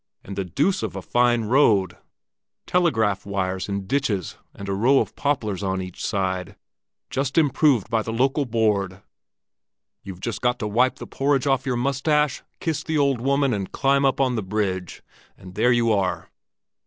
And the deuce of a fine road! Telegraph wires and ditches and a row of poplars on each side—just improved by the local board. You've just got to wipe the porridge off your mustache, kiss the old woman, and climb up on to the bridge, and there you are!